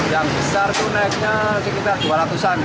yang besar itu naiknya sekitar rp dua ratus